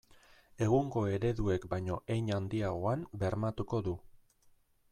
Egungo ereduek baino hein handiagoan bermatuko du.